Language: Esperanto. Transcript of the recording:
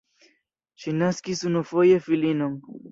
Ŝi naskis unufoje filinon.